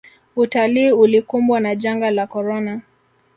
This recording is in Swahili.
utalii ulikumbwa na janga la korona